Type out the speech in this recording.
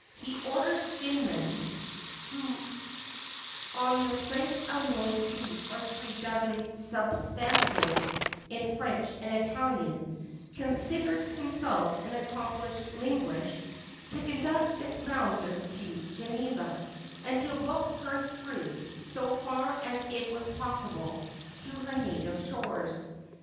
He ordered Jinman — who on the strength of knowing two or three dozen substantives in French and Italian, considered himself au accomplished linguist — to conduct Mrs. Mowser to Geneva, and to book her through, so far as it were possible, to her native shores.